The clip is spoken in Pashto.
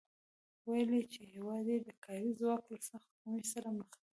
ویلي چې هېواد یې د کاري ځواک له سخت کمښت سره مخ دی